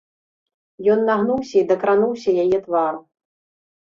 Ён нагнуўся і дакрануўся яе твару.